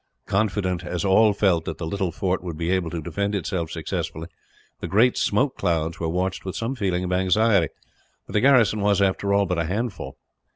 Confident as all felt that the little fort would be able to defend itself successfully, the great smoke clouds were watched with some feeling of anxiety; for the garrison was, after all, but a handful.